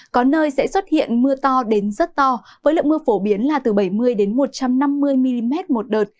có nơi sẽ xuất hiện mưa to đến rất to với lượng mưa phổ biến là từ bảy mươi một trăm năm mươi mm một đợt